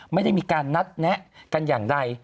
ไม่ได้มีการนัดแนะกันอย่างใด